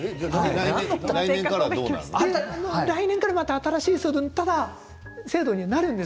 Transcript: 何のために来年からまた新しい制度になるんです。